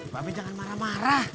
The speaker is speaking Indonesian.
mami jangan marah marah